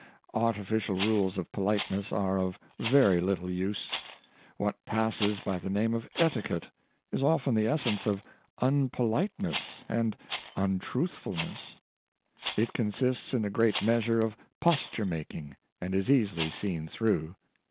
Artificial rules of politeness are of very little use. What passes by the name of " Etiquette " is often of 526 Politeness. the essence of unpoliteness and untruthfulness. It con sists in a great measure of posture making, and is easily seen through.